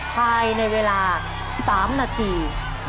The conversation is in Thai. ภายในเวลา๓นาที